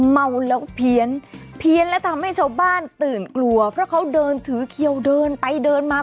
เมาแล้วเพี้ยนเพี้ยนและทำให้ชาวบ้านตื่นกลัวเพราะเขาเดินถือเขียวเดินไปเดินมา